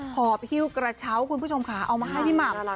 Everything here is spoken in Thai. หอบฮิ้วกระเช้าคุณผู้ชมค่ะเอามาให้พี่หม่ำ